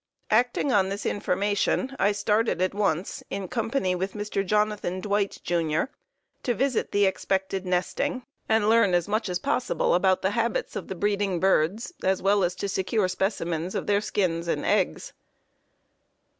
Acting on this information I started at once, in company with Mr. Jonathan Dwight, Jr., to visit the expected "nesting" and learn as much as possible about the habits of the breeding birds, as well as to secure specimens of their skins and eggs.